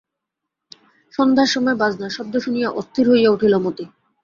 সন্ধ্যার সময় বাজনার শব্দ শুনিয়া অস্থির হইয়া উঠিল মতি।